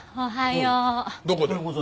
おはよう。